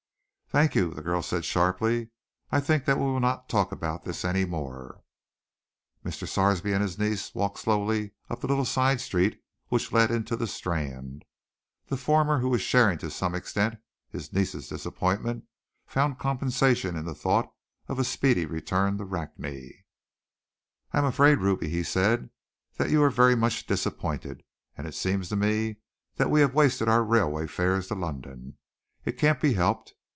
"Thank you," the girl said sharply, "I think that we will not talk about this any more." Mr. Sarsby and his niece walked slowly up a little side street which led into the Strand. The former, who was sharing to some extent his niece's disappointment, found compensation in the thought of a speedy return to Rakney. "I am afraid, Ruby," he said, "that you are very much disappointed, and it seems to me that we have wasted our railway fares to London. It can't be helped.